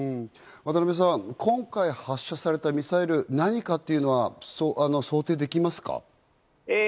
渡邊さん、今回発射されたミサイル、何かというのは想定できますか？